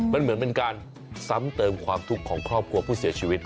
มันเหมือนเป็นการซ้ำเติมความทุกข์ของครอบครัวผู้เสียชีวิต